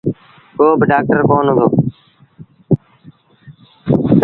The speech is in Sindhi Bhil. ڪو با ڊآڪٽر ڪونا هُݩدو۔